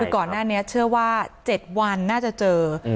ก่อนเที่ยวว่า๗วันน่าจะเจอ